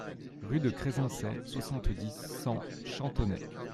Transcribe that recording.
Rue de Cresancey, soixante-dix, cent Champtonnay